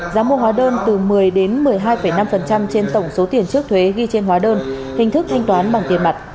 giá mua hóa đơn từ một mươi đến một mươi hai năm trên tổng số tiền trước thuế ghi trên hóa đơn hình thức thanh toán bằng tiền mặt